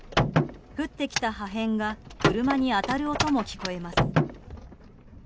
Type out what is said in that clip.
降ってきた破片が車に当たる音も聞こえます。